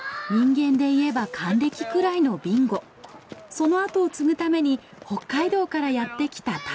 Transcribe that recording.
その後を継ぐために北海道からやってきた宝。